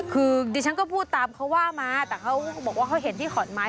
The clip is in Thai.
คือดิฉันก็พูดตามเขาว่ามาแต่เขาบอกว่าเขาเห็นที่ขอนไม้